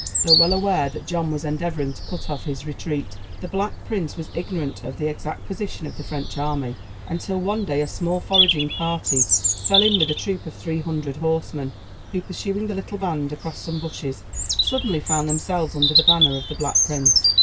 Though well aware that John was endeavoring to cut off his retreat, the Black Prince was ignorant of the exact position of the French army, until, one day, a small foraging party fell in with a troop of three hundred horsemen, who, pursuing the little band across some bushes, suddenly found themselves under the banner of the Black Prince.